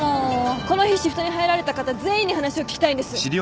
この日シフトに入られた方全員に話を聞きたいんです。